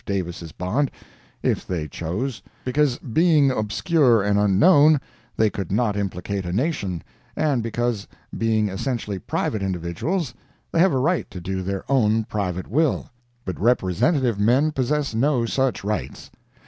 Davis' bond, if they chose, because, being obscure and unknown, they could not implicate a nation, and because, being essentially private individuals, they have a right to do their own private will—but representative men possess no such rights.